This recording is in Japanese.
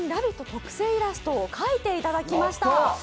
特製イラストを描いていただきました。